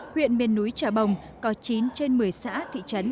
huyện miền núi trà bồng có chín trên một mươi xã thị trấn